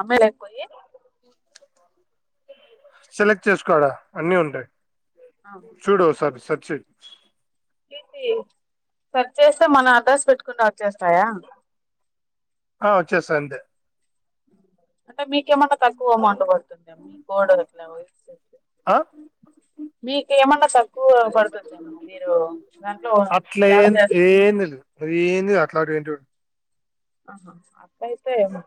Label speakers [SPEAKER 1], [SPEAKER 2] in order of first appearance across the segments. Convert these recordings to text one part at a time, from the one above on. [SPEAKER 1] అమ్మాయ్ లేక్పోయి
[SPEAKER 2] సెలెక్ట్ చేసుకో ఆడా అన్ని ఉంటాయి చూడు ఓ సారి సర్చ్ చెయ్ [inaudible]
[SPEAKER 1] తీసి సర్చ్ చేస్తే మన అడ్రస్ పెట్టకుంట వచేస్తాయా
[SPEAKER 2] ఆ వచ్చేస్తాయి అంతే
[SPEAKER 1] అంటే మీకేమన్నా తక్కువ అమౌంట్ పడుతుందమో మీ కోడ్ అట్లా [unintelligible] చేతే
[SPEAKER 2] ఆ
[SPEAKER 1] మీకేమన్నా తక్కువ పడుతుందెమో మీరు దాంట్లో జాబ్ చేస్త
[SPEAKER 2] నువ్ ఏందిర అట్లాటి వింటుండు
[SPEAKER 1] ఆహా అక్కయ్ ఏమో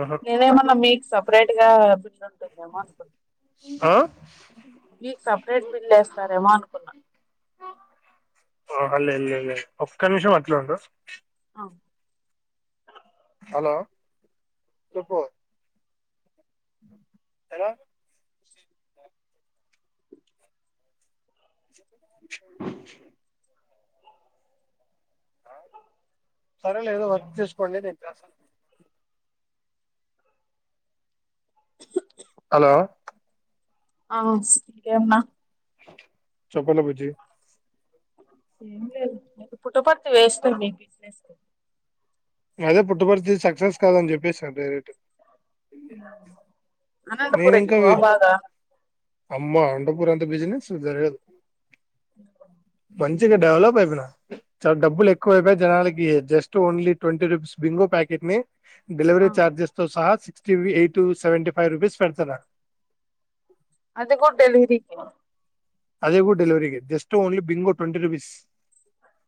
[SPEAKER 2] ఆహా
[SPEAKER 1] గిదేమన్న మీకు సపరేట్గా బిల్ ఉంటుందేమో అనుకున్నా
[SPEAKER 2] ఆ
[SPEAKER 1] మీకు సపరేట్ బిల్ వేస్తారేమో అనుకున్నా
[SPEAKER 2] ఒక నిమిషం అట్లుండు
[SPEAKER 1] అ
[SPEAKER 2] హలో చెప్పు ఎలో [inaudible] సరేలే ఏదో వర్క్ చేసుకోండి నేను చేస్తనమి హలో
[SPEAKER 1] అవున్ సి [unintelligible] నా
[SPEAKER 2] చప్పలబుజి
[SPEAKER 1] ఏం లేదు నీకు పుట పర్తి ఏస్కో నీ బిజినెసు
[SPEAKER 2] అదే పుట్టుబరితి సక్సెస్ కాదని చెప్పేసారు డైరెక్ట్
[SPEAKER 1] అనంతపూర్
[SPEAKER 2] నేను ఇంకా
[SPEAKER 1] ఎక్కువ
[SPEAKER 2] వి-
[SPEAKER 1] బాగా
[SPEAKER 2] ఇ బిజినెసు జరగదు
[SPEAKER 1] ఉహు
[SPEAKER 2] మంచిగా డెవలప్ అయిపోయినా చాలా డబ్బులు ఎక్కువ అయిపోయి జనాలకి just only twenty rupees Bingo packet ని డెలివరీ చార్జెస్ తో సహా six to eight to seventy five rupees పెడ్తున్నారు
[SPEAKER 1] అది కూడా డెలివరికి
[SPEAKER 2] అదే కూడా డెలివరికి just only Bingo twenty rupees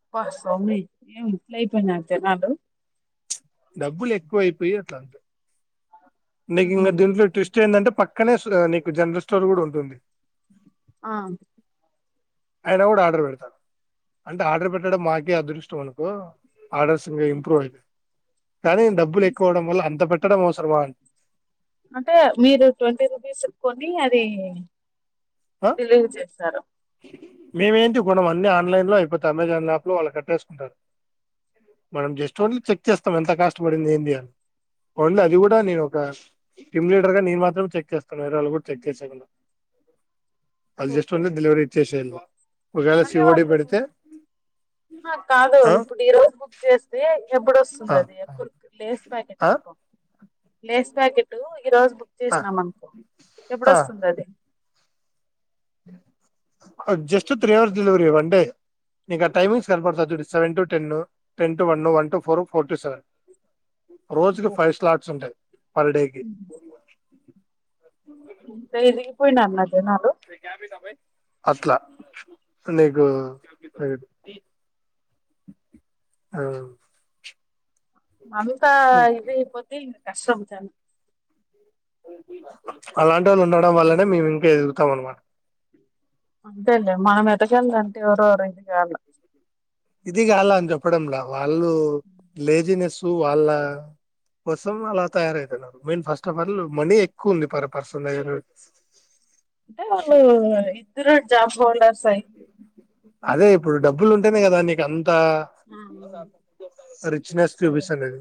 [SPEAKER 1] అబ్బా స్వామి ఏం ఇట్ల అయిపోయినారు జనాలు
[SPEAKER 2] డబ్బులు ఎక్కువ అయిపోయి అట్లంతే నీకు ఇంక దింట్లో ట్విస్ట్ ఏందంటే పక్కనే స నీకు జనరల్ స్టోర్ కూడా ఉంటుంది
[SPEAKER 1] ఆ
[SPEAKER 2] అయనా కూడా ఆర్డర్ పెడతాడు అంటే ఆర్డర్ పెట్టడం మాకే అదృష్టం అనుకో ఆర్డర్స్ ఇంగా ఇంప్రూవ్ అయిపెయ్ కానీ డబ్బులు ఎక్కువడం వల్ల అంతట్టి కట్టడం అవసరమా అని
[SPEAKER 1] అంటే మీరు ట్వంటీ రూపీస్ చెప్పుకోండి అది
[SPEAKER 2] ఆ?
[SPEAKER 1] డెలివెరీ జేస్తారు
[SPEAKER 2] మేమేంటి గుం అన్ని ఆన్లైన్ లో అయిపోతే అమెజాన్ యాప్ లో వాళ్ళు కట్టేసుకుంటారు మనం జస్ట్ ఓన్లీ చెక్ చేస్తాం ఎంత కాష్టపడింది ఏ అని ఓన్లీ అది కూడా నే ఒక టీమ్ లీడర్ గా నేనే మాత్రమే చెక్ చేస్తాను వేరే వాళ్ళు చెక్ చేసేకి ఉండదు అల్ జస్ట్ ఓన్లీ డెలివరీ ఇత్యే ఇల్
[SPEAKER 1] అదే వాళ్ళు కాదు
[SPEAKER 2] ఆ
[SPEAKER 1] ఇప్పుడు ఈ రోజు బుక్ చేస్తే
[SPEAKER 2] ఆ
[SPEAKER 1] ఎబ్బుడొస్తుందది ఎ కురుకు లేస్ ప్యాకెట్
[SPEAKER 2] ఆ
[SPEAKER 1] అనుకో లేేస్ ప్యాకెటు ఈ రోజు బుక్ చేసినాం అనుకో
[SPEAKER 2] ఆ
[SPEAKER 1] ఎప్పుడొస్తుందది
[SPEAKER 2] just three hours delivery one day నీకు టైమింగ్స్ కనపడతాది జూడి seven to ten ten to one one to four four to seven రోజుకి ఫైవ్ స్లాట్స్ ఉంటాయి పర్ డేకి
[SPEAKER 1] ఇంత [unintelligible]
[SPEAKER 2] అట్లా' నీకు
[SPEAKER 1] అంత ఇది ఐపోతే కష్టం శానా
[SPEAKER 2] అలాంటి వాళ్ళు ఉండడం వల్లనే మేము ఇంక ఎదుగుతాం అనమాట
[SPEAKER 1] అంతేండి మనమెదగళ్లన్టే ఎవురో ఒగరు ఇదిగాళ్ల
[SPEAKER 2] ఇది గాళ్ళని జెప్పడం గాదు వాళ్ళు లేజినెస్ సో వాళ్ళ కోసం అలా తయారవుతున్నారు men first of all money ఎక్కువ ఉంది పర్ పర్సన్ దగ్గర
[SPEAKER 1] అంటే వాళ్ళు ఇద్దరు జాబ్ హోల్డర్స్ అయి
[SPEAKER 2] అదే ఇప్పుడు డబ్బలుంటేనే కదండి గమ్
[SPEAKER 1] ఉ
[SPEAKER 2] రిచ్నెస్
[SPEAKER 1] అదె
[SPEAKER 2] చూపిస్తున్నది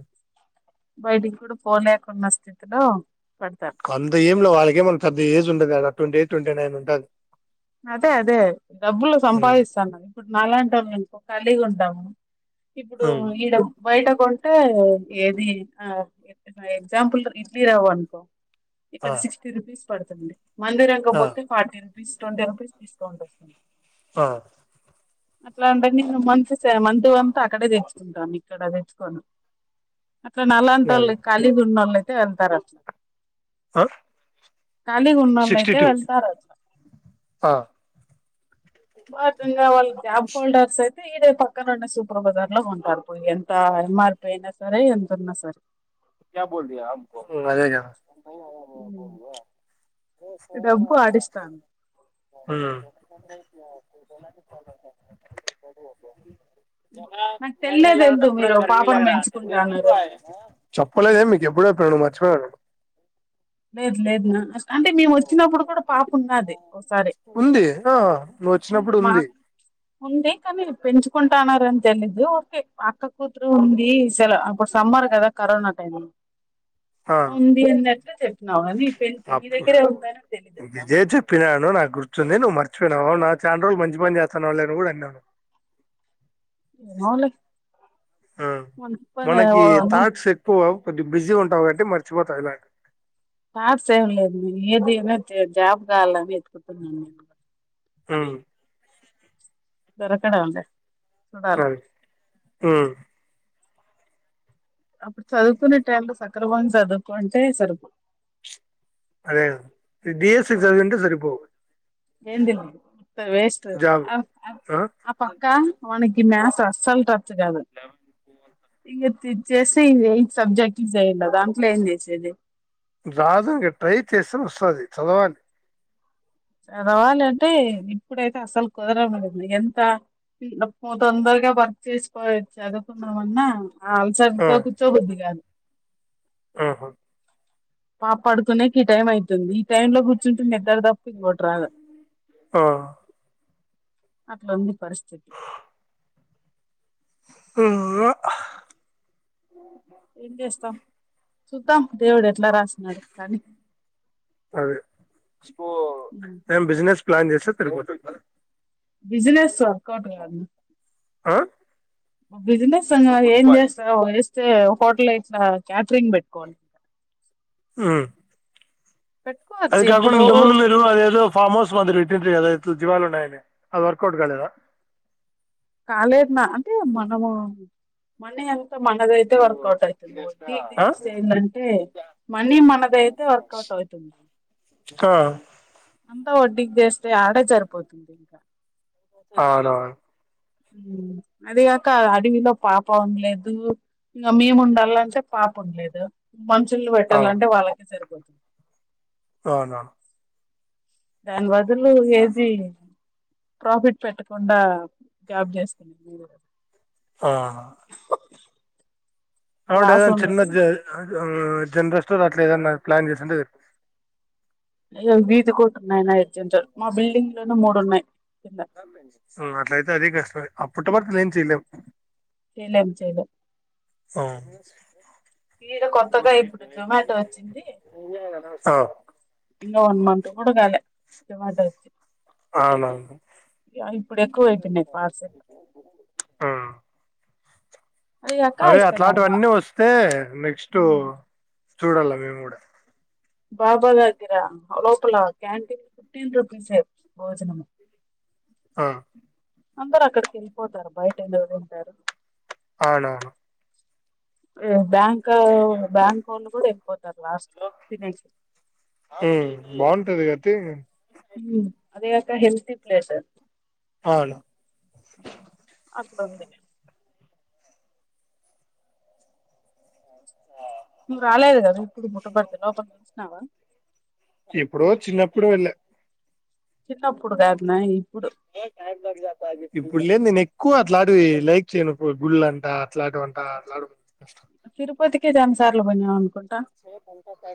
[SPEAKER 1] బయటికి కూడా పోలేకున్న స్తి డ
[SPEAKER 2] అంత ఎంలే వాళ్ళక ఏమం పెద్ద ఏజ్ ఉండదేడ ట్వంటీ ఎయిట్ ట్వంటీ నైన్ ఉంటర్
[SPEAKER 1] అదే అదే డబ్బులు
[SPEAKER 2] ఉమ్,
[SPEAKER 1] సంపాదిస్తానప్పుడు నాలాంటోళ్ళు ఎందుకు కాలీగుంటాము ఇప్పుడు
[SPEAKER 2] ఉమ్,
[SPEAKER 1] ఈడ బయట కొంటే ఏది ఆ ఎగ్జాంపుల్ ఇడ్లీ రవ్వ అనుకో ఇక్కడ
[SPEAKER 2] ఆ,
[SPEAKER 1] సిక్స్టీ రుపీస్ పడుతుంది మందిరంగ
[SPEAKER 2] ఆ,
[SPEAKER 1] పోతే ఫార్టీ రూపీస్ ప్లస్ [unintelligible] స్కౌంట్ వస్తుంది
[SPEAKER 2] ఆ
[SPEAKER 1] అట్లా అంటే నేను మంత్స్ సెవన్ మంత్ అంత అక్కడే తెచ్చుకుంటాము ఇక్కడ తెచ్చుకోము అట్లా నాలాంటి
[SPEAKER 2] అది
[SPEAKER 1] వొళ్ళు కాళీ గా ఉన్నొల్లు ఉంటే ఉంటారట్ల
[SPEAKER 2] అ
[SPEAKER 1] ఖాళీగున్నోళ్ళు అయితే వెళ్తారు అట్ల
[SPEAKER 2] ఆ
[SPEAKER 1] బాగా ఉన్నా వాళ్ళు జాబ్ హోల్డర్స్ అయితే ఇడే పక్కన ఉండే సూపర్ బజార్ లో కొంటారు పోయి ఎంత ఎంఆర్పి అయినా సరే ఎంత ఉన్నా సరే
[SPEAKER 2] క్యా బోల్రీ ఆమ్ కో
[SPEAKER 1] డబ్బు ఆడిస్తాను
[SPEAKER 2] [inaudible] జ
[SPEAKER 1] నాకు తెల్లే
[SPEAKER 2] మన
[SPEAKER 1] తెల్దు
[SPEAKER 2] ప
[SPEAKER 1] మీరు
[SPEAKER 2] గర్మీగ
[SPEAKER 1] పాపను
[SPEAKER 2] ర
[SPEAKER 1] పెంచుకుంటాన్నారు
[SPEAKER 2] [unintelligible] ఎమ్ మీకి ఎప్పుడు వత్తాది నిను మర్చిపొయాను
[SPEAKER 1] లేదు లేదు నాన ఒకసారి
[SPEAKER 2] ఉంది ఆ నువ్వు వచ్చినప్పుడు ఉంది
[SPEAKER 1] ఉంది కానీ పెంచుకుంటాన్నారని తెలీదు ఓకే అక్క కూతురు ఉంది సెల అప్పుడు సమ్మర్ కదా కరోనా టైం ఉంది అంద [inaudible] [inaudible] నవమి
[SPEAKER 2] జయ [unintelligible] త చెప్పినాను నాకు గుర్ నువ్వు మర్చిపోయినవా చాలా రోజులు మంచి పని చేస్తాన్నావు అని కూడా అన్నాను
[SPEAKER 1] ఏమోలే
[SPEAKER 2] ఆ
[SPEAKER 1] మనకి ఇబ్బంది ఓ,
[SPEAKER 2] మనకి
[SPEAKER 1] నువ్వు
[SPEAKER 2] థాక్స్ [unintelligible] ఎక్కు కొద్ది గా బిజీగా ఉంటావు కాబట్టి మర్చిపోతావు ఇలాగా
[SPEAKER 1] థాంట్స్ ఏమ్ ఉండవండి ఏదిఏమైనా జాబ్ కావాలని వెతుకుతున్నా నిను
[SPEAKER 2] మ్మ్ హ్మ్
[SPEAKER 1] దొరకడం ల్య చూడలి
[SPEAKER 2] మ్మ్
[SPEAKER 1] అప్పుడు చదువుకున్న టైం సక్రమంగా చదువుకుయింటే సరిపోవ్
[SPEAKER 2] అదే కదా
[SPEAKER 1] ఏంది లేదు వుత్త వేస్ట్
[SPEAKER 2] జాబ్
[SPEAKER 1] ఆ ఆ పక్కా మనకి మ్యాథ్స్ అస్సలు టా ఇంగ [unintelligible] కాదు ఇ ఇది చేసి ఇది ఎయిట్ సబ్జెక్ట్లు వేయ్యాల్ల దాంట్లో ఏం చేసేది
[SPEAKER 2] రాదు ఇగ ట్రై చేస్తనే వస్తది, చదవాలి.
[SPEAKER 1] చదవాలంటే, ఇప్పుడైతే అస్సలు కుదరదని చెప్పిన. ఎంత తొందరగా వర్క్ చేసుకోని చదువుకుందామన్నా ఆ
[SPEAKER 2] ఆ,
[SPEAKER 1] అల్సర్తో కూర్చోబుద్ది కాదు.
[SPEAKER 2] ఆహా
[SPEAKER 1] ఆ పడుకునేకి ఈ టైం అయితుంది. ఈ టైం లో కూర్చుంటే నిద్ద్ర తప్ప, ఇంగోటి రాదు.
[SPEAKER 2] ఆ
[SPEAKER 1] అట్లుంది పరిస్థితి.
[SPEAKER 2] ఎమ్మొ
[SPEAKER 1] ఏం చేస్తాం చూద్దాం దేవుడెట్
[SPEAKER 2] అదే, ఏం బిజినెస్ ప్లాన్ చేస్తే తిరుపతిక్
[SPEAKER 1] బిజినెస్ వర్కౌట్ గా అన్నా.
[SPEAKER 2] ఆ
[SPEAKER 1] బిజినెస్ అన్నాక ఏం చేస్తమ్, ఇస్తే హోటల్ ఎట్లా? క్యాటరింగ్ పెట్టుకోవాలింక.
[SPEAKER 2] ఉమ్
[SPEAKER 1] పెట్టుకోవచ్చు
[SPEAKER 2] అది కాకుండ
[SPEAKER 1] ఎప్పుడో
[SPEAKER 2] ఇంతకుముందు మీరు, అదేదో ఫార్మ్ హౌస్ మాదిరి పెట్టుంటిరి కదా ఎద్ జీవాల ఉన్నాయన్ని అవి వర్కౌట్ కాలేదా
[SPEAKER 1] కాలేదుమా అంటే మనము మండే అంత మనదైతే
[SPEAKER 2] ఆ
[SPEAKER 1] వర్కౌట్ అవుతది వడ్డీకి
[SPEAKER 2] ఆ
[SPEAKER 1] తెచ్చి ఏందంటే మనీ మనదైతే వర్కౌట్ అవుతుంది అంతా వడ్డీకి జెస్తే ఆడ సరిపోతుంది ఇంకా
[SPEAKER 2] అవునవును
[SPEAKER 1] అదిగాక అడవిలో పాప ఉండలేదు ఇంగా మేము ఉండాలి అంటే పాప ఉండలేదు మనుషులు పెట్టాలంటే వాళ్ళకే సరిపోతుంది
[SPEAKER 2] అవునా
[SPEAKER 1] రన్వద్ దులు ఏది ప్రాఫిట్ పెట్టకుండా జ్యాబ్ చేసుకుని మీరు గూడ
[SPEAKER 2] ఆ అవుడద
[SPEAKER 1] లాస్ ఉండదు
[SPEAKER 2] చిన్నజ అవునా జనరల్ స్టోర్ అట్లా ఏదన్నా ప్లాన్ చేసింటే
[SPEAKER 1] వీధి ఒకటి ఉన్నాయి నా ఎగ్జామ్స్ సెంటర్ మా బిల్డింగ్ లోనే మూడు ఉన్నాయి కింద
[SPEAKER 2] అట్లయితే అదే కష్టమే అప్పుటపరతిలో ఏం చేయలేము
[SPEAKER 1] చేయలేం చేయలేం
[SPEAKER 2] ఆ
[SPEAKER 1] ఇడా కొత్తగా ఇప్పుడు జొమాటో వచ్చింది
[SPEAKER 2] అ
[SPEAKER 1] ఇంగా వన్ మంత్ కూడ గాలె జొమాటో వచ్చి
[SPEAKER 2] అవునవును
[SPEAKER 1] ఎప్పుడెక్కువ అయిపోయినాయి పార్సెల్
[SPEAKER 2] ఆ అవే అట్లాంటివన్నీ వస్తే నెక్స్ట్ చూడాల మేము గూడా
[SPEAKER 1] బాబాగారి దగ్గర అలోపలా క్యాంటీన్ ఫీఫ్టీన్ రూపీస్ భోజనము
[SPEAKER 2] ఆ
[SPEAKER 1] అందరు అక్కడికి వెళ్ళిపోతారు బయట ఎవరు ఉంటారు
[SPEAKER 2] అవునవును
[SPEAKER 1] ఏ బ్యాంక్ బ్యాంక్ ఒళ్ళు కూడా పోతుర
[SPEAKER 2] ఎ బాగుంటది గద కే
[SPEAKER 1] మ్ అది గాక హెల్తి ప్లేస్ అది
[SPEAKER 2] అవును
[SPEAKER 1] అట్లుంది నువు రాలేదు గదా ఇప్పది ముట్టబడతల లోపల చూసినవా
[SPEAKER 2] ఏప్పుడో, చిన్నప్పుడు వెళ్ళా.
[SPEAKER 1] చిన్నప్పుడుగాద్
[SPEAKER 2] ఇప్పుడులెంది నిక్ క్కువ అట్లాటిది లైక్ చేయను గు గుల్లాంటా? అట్లాంటివంటా అడు
[SPEAKER 1] తిరుపతికి రెండు సార్లు బోయినం అనుకుంట్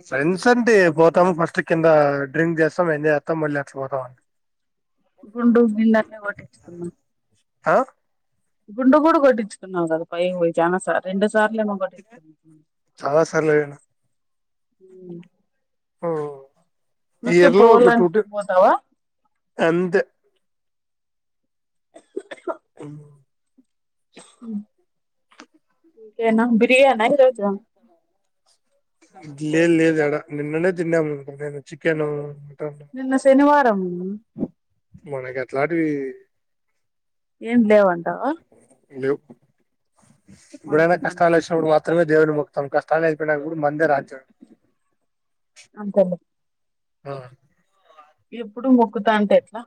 [SPEAKER 2] ఫ్రెండ్స్ అంట్టే, పోతమ ఫస్ తె కింద డ్రింక్ చేస్తాం, ఎంజాయ్ చేస్తాం, మళ్ళీ అచ్చిపోతామంటె
[SPEAKER 1] గుండు నిన్నట్నె గొట్టిచ్చుకున్న.
[SPEAKER 2] ఆ
[SPEAKER 1] గుండు కూడ కొట్టించుకున్నావు కదా పైకి పోయి. చానా సార్, రెండు సార్
[SPEAKER 2] చాలా సార్లు పోయిన.
[SPEAKER 1] ఉమ్
[SPEAKER 2] ఉమ్
[SPEAKER 1] ఊర్కె పోవలాంటె పోతావ?
[SPEAKER 2] అంతే. మ్
[SPEAKER 1] ఇంకేంటండి? ఫ్రీయా అన్న ఈరోజు?
[SPEAKER 2] ది లేదు లేదు ఆడా. నిన్ననే తిన్నాము నేను చిక్కను
[SPEAKER 1] నిన్న శనివారమన్నా.
[SPEAKER 2] మనకి అట్లాటివి
[SPEAKER 1] ఏం లేవంటావా
[SPEAKER 2] లెవ్ బడన
[SPEAKER 1] మంచి పని
[SPEAKER 2] కష్టాలచ్చినపుడు వాళ్ళు త్రమే దేవుని మొక్కుతాం కష్టాలు అయిపోయినక్కా పోన్ మందర ఆచర్
[SPEAKER 1] అంతలే
[SPEAKER 2] అ
[SPEAKER 1] ఎప్పుడు మొక్కుతాంటే వా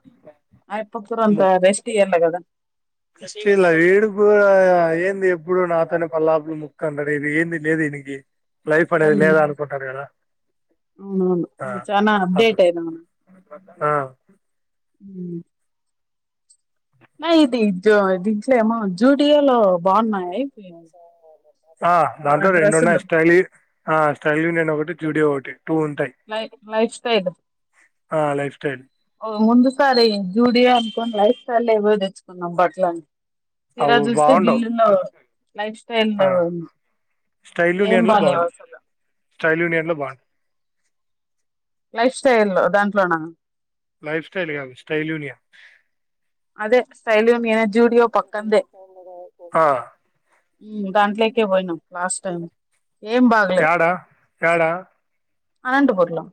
[SPEAKER 1] అయప్ప కూడా కొంత రెస్ట్ ఇయ్యాలి కదా
[SPEAKER 2] ఫస్టు ఎంద్ ఎడుపు ఏంది ఎప్పుడు నాతోనే పల్లాపులు ముక్క అన్నాది ఇది ఏంది దేనికి లైఫ్ అనేది నేన్ అనుకుంటాన్నా గాద
[SPEAKER 1] అవునవును
[SPEAKER 2] ఆ
[SPEAKER 1] నువ్వు చానా
[SPEAKER 2] అటు
[SPEAKER 1] అప్డేట్ అయినావు
[SPEAKER 2] అ
[SPEAKER 1] ఉ న ఇది జో దించేమో జ్యూడియోలో బాగున్నాయి
[SPEAKER 2] ఆ
[SPEAKER 1] బా
[SPEAKER 2] దాంతో
[SPEAKER 1] డ్రెస్సులు
[SPEAKER 2] రెండున్నాయి స్టైల్యీ ఆ స్టైల్వి నేన్ ఒకటి జూడియో ఒకటి టూ ఉంటాయి
[SPEAKER 1] లై లైఫ్ స్టైల్
[SPEAKER 2] ఆ లైఫ్ స్టైల్
[SPEAKER 1] ఓ ముందుకాడి జూడియో అంట లైఫ్ చాలొ ఎవో తెచ్చుకున్నాం బట్టలని తీరా
[SPEAKER 2] అవి
[SPEAKER 1] చూస్తే
[SPEAKER 2] బాగుండవు
[SPEAKER 1] బిల్లును లైఫ్ స్టైల్
[SPEAKER 2] ఆ
[SPEAKER 1] ఏం బాలేదు అసలు
[SPEAKER 2] స్టైల్డ్ యూనియన్ లో బాగుంటాయి
[SPEAKER 1] లైఫ్ స్టైల్ దాంట్లో నా
[SPEAKER 2] లైఫ్ స్టైల్ కాదు స్టైల్ యూనియన్
[SPEAKER 1] అదే స్టైల్ యూనియన్ జూడియో పక్కందే
[SPEAKER 2] ఆ
[SPEAKER 1] యు దాంట్లోకి పోయినం లాస్ట్ టైం ఏం బాగలేవు
[SPEAKER 2] యాడ యాడ
[SPEAKER 1] అనంతపూర్ లో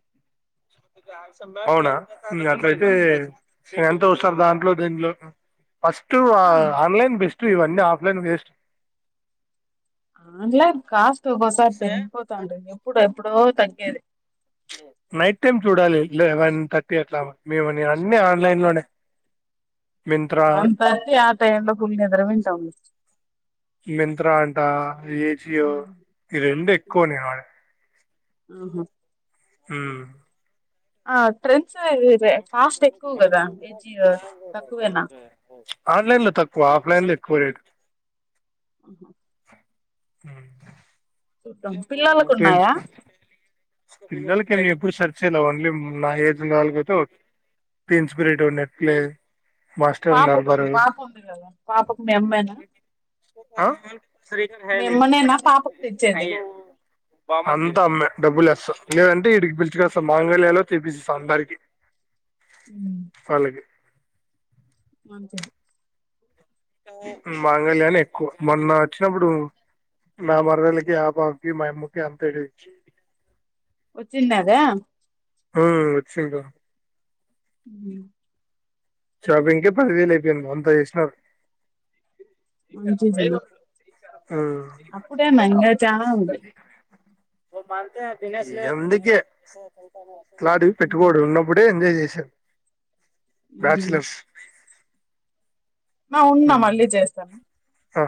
[SPEAKER 2] అవునా అట్లయితే చే ఒకసారి దాంట్లో దీంట్లో ఫస్ట్
[SPEAKER 1] ఆ
[SPEAKER 2] ఆన్లైన్ బెస్ట్ ఇవన్నీ ఆఫ్లైన్ వేస్ట్
[SPEAKER 1] ఆన్లైన్ కాస్ట్ ఒక్కోసారి పెరిగిపోతావుంటది ఇప్పుడు ఎప్పుడో తగ్గేది
[SPEAKER 2] నైట్ టైమ్ చూడాలి లెవెన్ థర్టీ అట్లా మేము అన్ని ఆన్లైన్ లోనే మింత్రా
[SPEAKER 1] వన్ థర్టీ ఆ టైమ్ లో పుల్ నిద్రపోయి ఉంటాం
[SPEAKER 2] అజియో ఈ రెండు ఎక్కువా ఉన్నాయి
[SPEAKER 1] ఆహా
[SPEAKER 2] ఉ
[SPEAKER 1] ఆ ట్రెండ్స్ కాస్ట్ ఎక్కువ కదా ఏజీ తక్కువేనా
[SPEAKER 2] ఆన్లైన్ లో తక్కువ ఆఫ్లైన్ లో ఎక్కువ రేట్
[SPEAKER 1] చూద్దాం
[SPEAKER 2] హు
[SPEAKER 1] పిల్లలకు
[SPEAKER 2] అంటేన్స్
[SPEAKER 1] ఉన్నాయా
[SPEAKER 2] పిల్లల్క్ ఇక్కడ ఎప్పుడు సర్చేలేవు. ఓన్లీ హుమ్ నా ఏజ్ ఉన్న వాళ్లకైతే ఓ టీంస్ప్రిట్ ఉన్నట్లైతే.
[SPEAKER 1] పాపకుంద్ పాప ఉంది కదా పాపకు మీ అమ్మేనా
[SPEAKER 2] ఆ
[SPEAKER 1] మీ అమ్మనేనా పాపకిచ్చే
[SPEAKER 2] ఆయే అంతా అమ్మే డబ్బులెస్స లేదంటే ఇడికి పీల్చికోస్తా మాంగళ్య లో తీపిసిస్తా అందరికి
[SPEAKER 1] హు
[SPEAKER 2] వాళ్ళకి
[SPEAKER 1] మంచదే
[SPEAKER 2] మాంగళ్యా లో ఎక్కువ మొన్న వచ్చినప్పుడు నా మరదలకి ఆ పాప కి మా అమ్మకి అంత ఇడిచ్చి
[SPEAKER 1] వచ్చిండదా
[SPEAKER 2] హ వచ్చిండా
[SPEAKER 1] ఉహు
[SPEAKER 2] షాపింగ్ కే పదివేలు అయిపోయింది అంతా చేసినారు
[SPEAKER 1] మంచిజీ
[SPEAKER 2] ఉమ్.
[SPEAKER 1] అప్పుడేనా ఇంగా జావుంది
[SPEAKER 2] లండికే కాడి
[SPEAKER 1] ఉమ్
[SPEAKER 2] పెట్టుబడి ఉన్నప్పుడే ఎంజాయ్ జేయ తు్
[SPEAKER 1] ఉమ్
[SPEAKER 2] బ్యాచలర్స్
[SPEAKER 1] ఆ ఉన్నా మళ్ళీ జేస్తాను
[SPEAKER 2] ఆ